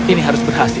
ini harus berhasil